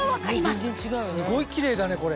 すごいキレイだねこれ。